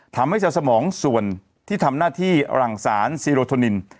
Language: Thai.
ทำให้จะสมองส่วนที่ทำหน้าที่หลังสารซีโรโทนิน